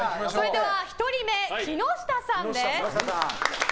１人目、木下さんです。